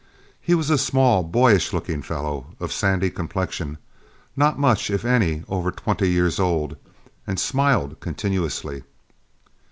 He was a small, boyish looking fellow, of sandy complexion, not much, if any, over twenty years old, and smiled continuously.